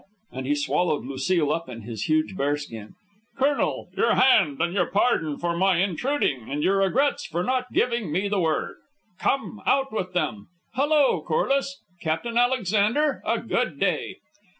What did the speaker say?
And he swallowed Lucile up in his huge bearskin. "Colonel, your hand, and your pardon for my intruding, and your regrets for not giving me the word. Come, out with them! Hello, Corliss! Captain Alexander, a good day."